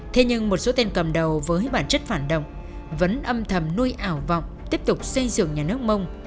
thế nhưng một số tên cầm đầu với bản chất phản động vẫn âm thầm nuôi ảo vọng tiếp tục xây dựng nhà nước mông